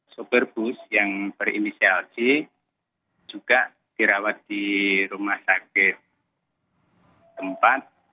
sopir bus yang berinisial c juga dirawat di rumah sakit tempat